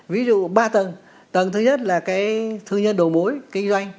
ví dụ ba tầng tầng thứ nhất là cái thương nhân đầu mối kinh doanh